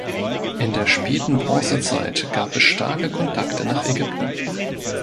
In der späten Bronzezeit gab es starke Kontakte nach Ägypten.